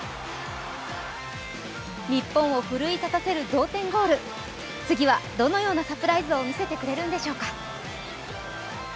日本を奮い立たせる同点ゴール、次はどのようなサプライズを見せてくれるんでしょうか。